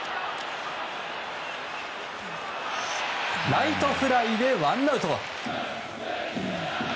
ライトフライでワンアウト。